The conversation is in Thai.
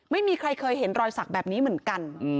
ไม่มีใครเคยเห็นรอยสักแบบนี้เหมือนกัน